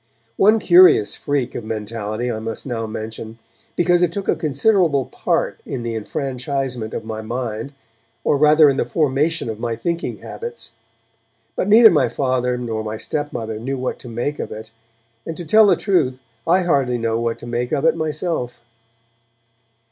One curious freak of mentality I must now mention, because it took a considerable part in the enfranchisement of my mind, or rather in the formation of my thinking habits. But neither my Father nor my stepmother knew what to make of it, and to tell the truth I hardly know what to make of it myself.